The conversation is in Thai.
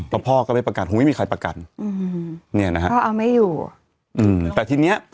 แล้วพ่อก็เลยประกาศคงไม่มีใครประกันอืมเนี่ยนะฮะพ่อเอาไม่อยู่อืมแต่ทีเนี้ย